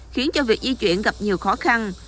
khiến cho việc di chuyển gặp nhiều khó khăn